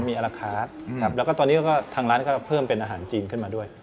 มีอาราคาร์ทแล้วก็ตอนนี้ก็ทางร้านก็เพิ่มเป็นอาหารจีนขึ้นมาด้วย